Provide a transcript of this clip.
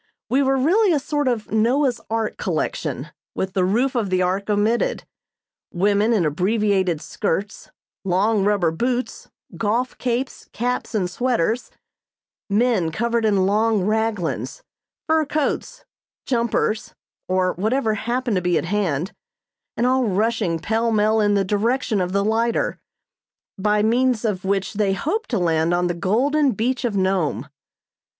We were really a sort of Noah's Ark collection, with the roof of the Ark omitted. Women in abbreviated skirts, long rubber boots, golf capes, caps and sweaters; men covered in long "raglans," fur coats, "jumpers," or whatever happened to be at hand; and all rushing pell mell in the direction of the lighter, by means of which they hoped to land on the golden beach of Nome.